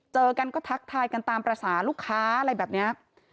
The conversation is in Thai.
เจอกันก็ทักทายกันตามภาษาลูกค้าอะไรแบบนี้